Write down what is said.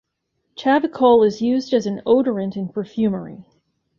Chavicol is used as an odorant in perfumery.